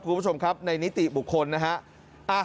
คุณผู้ชมครับในนิติบุคคลนะฮะ